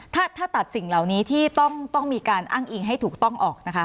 ถ้าตัดสิ่งเหล่านี้ที่ต้องมีการอ้างอิงให้ถูกต้องออกนะคะ